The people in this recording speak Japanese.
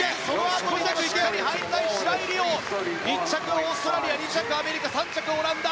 １着、オーストラリア２着、アメリカ３着はオランダ。